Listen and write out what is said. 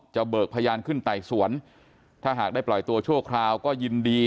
เบิกพยานขึ้นไต่สวนถ้าหากได้ปล่อยตัวชั่วคราวก็ยินดี